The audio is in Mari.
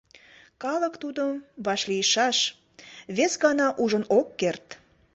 Калык тудым вашлийшаш, вес гана ужын ок керт.